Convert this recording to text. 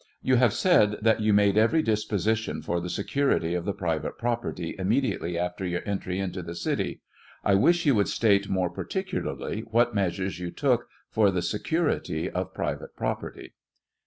You have said that you made every disposition for the security of the private property immediately after your entry into the city ; 1 wish you would state more particularly what measures you took for the se curity of pr ivate property